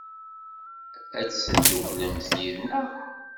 Ad tedduklemt yid-neɣ?